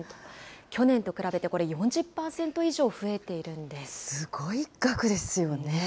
去年と比べてこれ、４０％以上増すごい額ですよね。